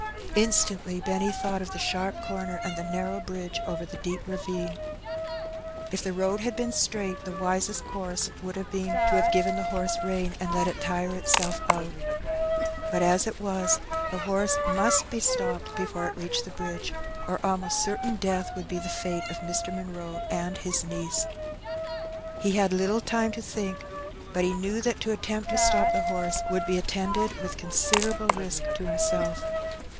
Instantly Benny thought of the sharp comer and the narrow bridge over the deep ravine. If the road had been straight, the wisest course would have been to have given the horse rein, and let it tire itself out. But as it was, the horse must be stopped before it reached the bridge, or almost certain death would be the fate of Mr. Munroe and his niece. He had little time to think, but he knew that to attempt to stop the An Accident. 239 horse would be attended with considerable risk to himself.